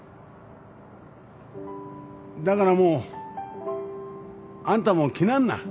だからもうあんたも来なんな。